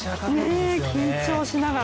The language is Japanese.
緊張しながら。